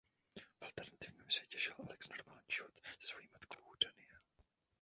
V Alternativním světě žila Alex normální život se svojí matkou Danielle.